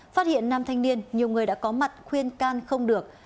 phát hiện nam thanh niên nhiều người đã có mặt khuyên can không được